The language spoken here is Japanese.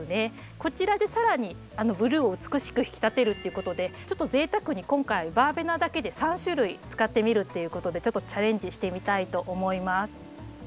こちらで更にブルーを美しく引き立てるっていうことでちょっと贅沢に今回バーベナだけで３種類使ってみるっていうことでちょっとチャレンジしてみたいと思います。